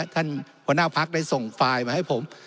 ท่านหัวหน้าพักได้ส่งไฟล์มาให้ผม